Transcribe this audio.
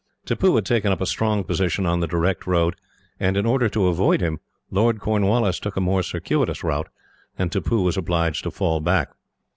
Tippoo had taken up a strong position on the direct road and, in order to avoid him, Lord Cornwallis took a more circuitous route, and Tippoo was obliged to fall back.